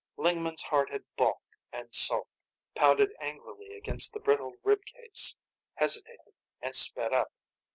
Lingman's heart had balked and sulked, pounded angrily against the brittle rib case, hesitated and sped up.